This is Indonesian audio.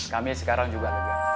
kami sekarang juga